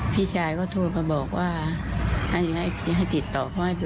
พี่ชายก็โทรมาบอกว่าอย่างไรให้ติดต่อเขาให้โทร